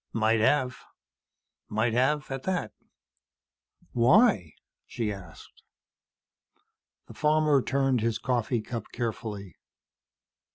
"Might have. Might have, at that." "Why?" she asked. The farmer turned his coffee cup carefully.